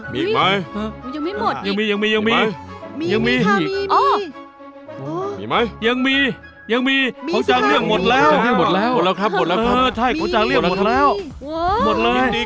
มีเหรอมีอีกไหมยังมียังมียังมียังมีพ่อจ้างเรียกหมดแล้วหมดแล้วครับหมดแล้วหมดแล้ว